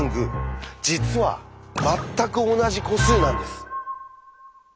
実は「まったく同じ個数」なんです！